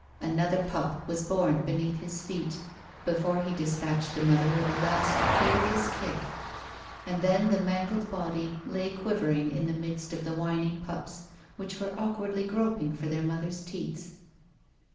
Another pup was born beneath his feet before he dispatched the mother with a last furious kick, and then the mangled body lay quivering in the midst of the whining pups, which were awkwardly groping for their mother's teats.